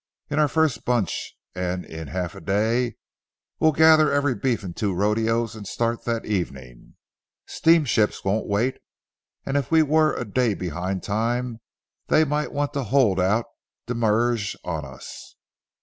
In our first bunch and in half a day, we'll gather every beef in two rodeos and start that evening. Steamships won't wait, and if we were a day behind time, they might want to hold out demurrage on us.